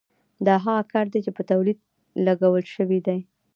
دا هغه کار دی چې په تولید لګول شوی دی